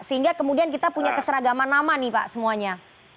sehingga kemudian kita punya keseragaman nama nih pak semuanya